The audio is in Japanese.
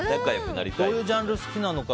どういうジャンル好きなのか。